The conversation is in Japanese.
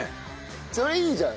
それいいじゃん！